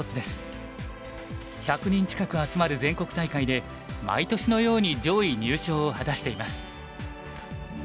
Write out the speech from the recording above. １００人近く集まる全国大会で毎年のように上位入賞を果たしています。